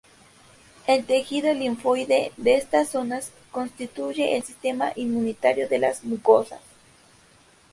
El tejido linfoide de estas zonas constituye el Sistema inmunitario de las mucosas.